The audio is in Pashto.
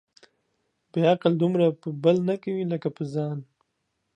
بې عقل دومره په بل نه کوي ، لکه په ځان.